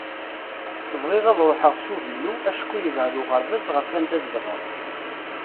Bɣiɣ ad ruḥeɣ s uvilu acku yebεed uɣerbaz ɣef anda zedɣeɣ.